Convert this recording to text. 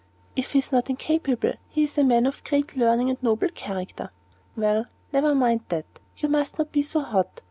"He is not incapable; he is a man of great learning, and noble character " "Well, never mind that; you must not be so hot.